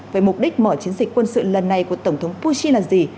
về mục đích mở chiến dịch quân sự lần này của tổng thống putin là gì